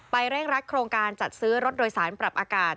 เร่งรัดโครงการจัดซื้อรถโดยสารปรับอากาศ